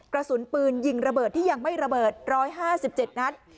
กระสุนปืนยิงระเบิดที่ยังไม่ระเบิดร้อยห้าสิบเจ็ดนัด